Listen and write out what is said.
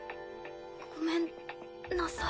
ごめんなさい。